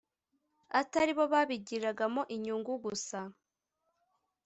atari bo babigiramo inyungu gusa